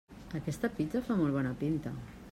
Aquesta pizza fa molt bona pinta.